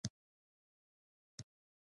په دې ډلو کې ناراضیان او مجرمان هم وو.